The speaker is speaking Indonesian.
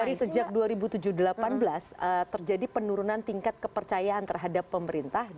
dari sejak dua ribu delapan belas terjadi penurunan tingkat kepercayaan terhadap pemerintah